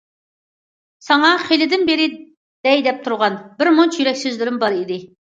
ساڭا خېلىدىن بېرى دەي دەپ تۇرغان بىر مۇنچە يۈرەك سۆزلىرىم بار ئىدى.